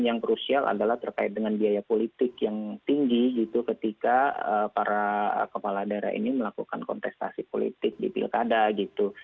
yang krusial adalah terkait dengan biaya politik yang tinggi gitu ketika para kepala daerah ini melakukan kontestasi politik di pilkada gitu